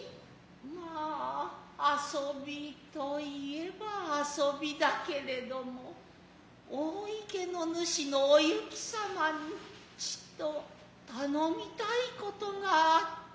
まあ遊びと言へば遊びだけれども大池のぬしのお雪様に些と頼みたい事があつて。